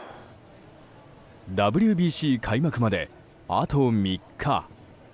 ＷＢＣ開幕まで、あと３日。